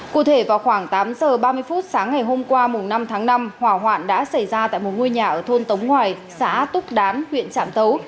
cụ thể vào khoảng tám giờ ba mươi phút sáng ngày hôm qua năm tháng năm hỏa hoạn đã xảy ra tại một ngôi nhà ở thôn tống ngoài xã túc đán huyện trạm tấu